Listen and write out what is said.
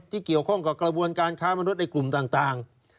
เกี่ยวข้องกับกระบวนการค้ามนุษย์ในกลุ่มต่าง